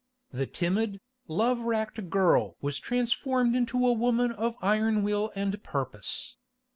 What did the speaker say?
The timid, love racked girl was transformed into a woman of iron will and purpose.